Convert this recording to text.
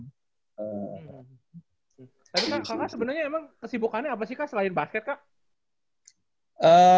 tapi kakak sebenarnya emang kesibukannya apa sih kak selain basket kak